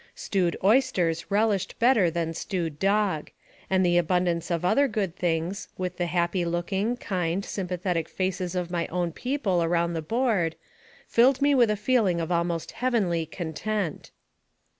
Stewed oysters rel AMONG THE SIOUX INDIANS. 229 ished better than stewed dog, and the abundance of other good things, with the happy looking, kind, sympathetic faces of my own people around the board, filled me with a feeling of almost heavenly content.